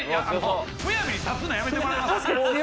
むやみに立つの、やめてもらえます？